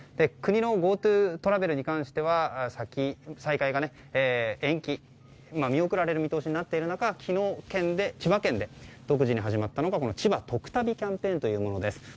国のＧｏＴｏトラベルに関しては再開が延期、見送られる見通しになっている中、昨日千葉県で独自に始まったのが千葉とく旅キャンペーンというものです。